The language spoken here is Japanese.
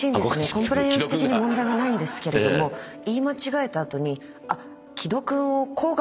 コンプライアンス的に問題はないんですけれども言い間違えた後に。